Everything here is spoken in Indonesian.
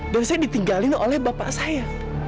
dan saya ditinggalin oleh bapak saya